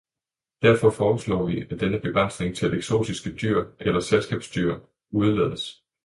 Derfor foreslår vi, at denne begrænsning til eksotiske dyr eller selskabsdyr udelades.